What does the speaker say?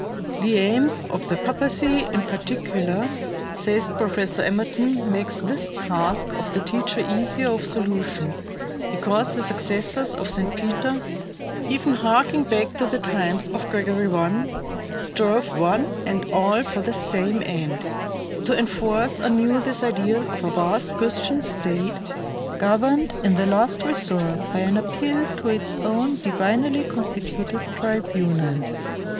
The aims of the papacy in particular, says Professor Emerton, make this task of the teacher easier of solution, because the successors of St. Peter, even harking back to the times of Gregory I, strove one and all for the same end "to enforce anew this ideal of a vast Christian State, governed in the last resort by an appeal to its own divinely constituted tribunal."